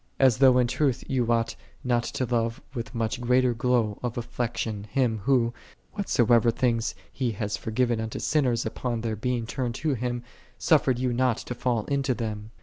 As though in truth you ought not to love with much greater glow of affection Him, Who, whatso ever things He hath forgiven unto sinners upon their being turned to Him, suffered you not to fall into them.